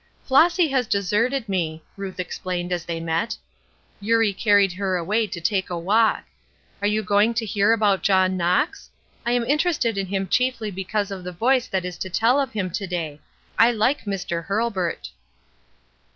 "Flossy has deserted me," Ruth explained as they met; "Eurie carried her away to take a walk. Are you going to hear about John Knox? I am interested in him chiefly because of the voice that is to tell of him to day; I like Dr. Hurlburt."